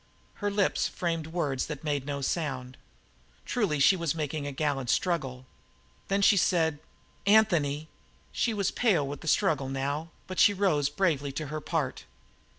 Her lips framed words that made no sound. Truly, she was making a gallant struggle. Then she said: "Anthony!" She was pale with the struggle, now, but she rose bravely to her part.